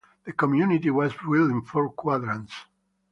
The community was built in four quadrants.